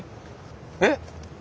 えっ？